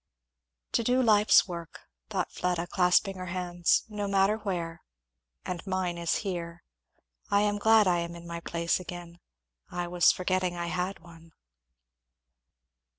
"To do life's work!" thought Fleda clasping her hands, "no matter where and mine is here. I am glad I am in my place again I was forgetting I had one."